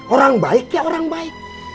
orang baik ya orang baik